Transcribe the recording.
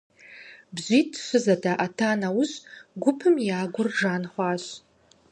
БжьитӀ-щы зэдаӀэта нэужь, гупым я гур жан хъуащ.